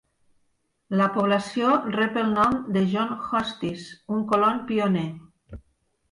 La població rep el nom de John Hustis, un colon pioner.